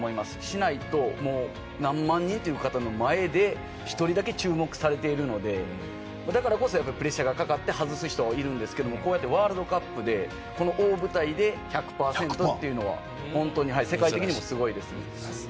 しないと、何万人という人の前で１人だけ注目されているのでだからこそプレッシャーがかかって外す人がいるんですけどワールドカップで、この大舞台で１００％というのは世界的にもすごいです。